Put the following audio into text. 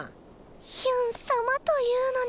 ヒュン様というのね。